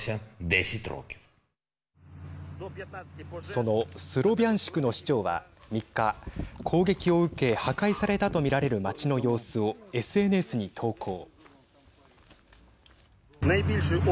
そのスロビャンシクの市長は３日、攻撃を受け破壊されたと見られる街の様子をＳＮＳに投稿。